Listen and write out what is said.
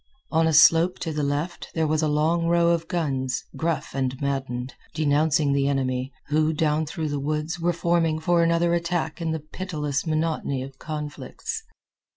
On a slope to the left there was a long row of guns, gruff and maddened, denouncing the enemy, who, down through the woods, were forming for another attack in the pitiless monotony of conflicts.